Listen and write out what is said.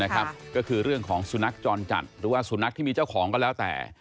ก็คือเรื่องของสุนัขจรจัดหรือว่าสุนัขที่มีเจ้าของก็แล้วแต่